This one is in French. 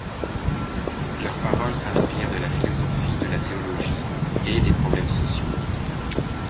Leurs paroles s'inspire de la philosophie, de la théologie et des problèmes sociaux.